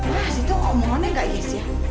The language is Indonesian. mas itu omongannya gak yes ya